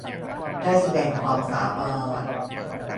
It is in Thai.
ได้แสดงความสามารถ